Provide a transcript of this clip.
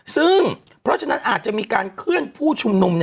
ซึ่งเพราะฉะนั้นอาจจะมีการเคลื่อนผู้ชุมนุม